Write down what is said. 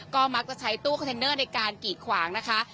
ก็มักจะใช้ตู้คอนเทนเนอร์ในการกีดขวางนะคะ